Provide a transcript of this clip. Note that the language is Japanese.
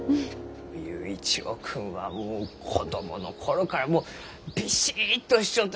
佑一郎君はもう子供の頃からもうビシッとしちょった。